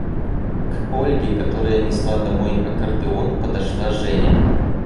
К Ольге, которая несла домой аккордеон, подошла Женя.